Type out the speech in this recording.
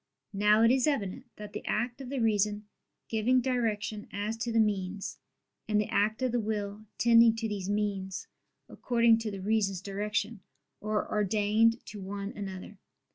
Now it is evident that the act of the reason giving direction as to the means, and the act of the will tending to these means according to the reason's direction, are ordained to one another.